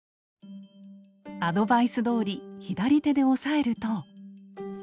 アドバイスどおり左手で押さえると。